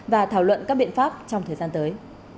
và thảo luận các biện pháp trong thời gian tới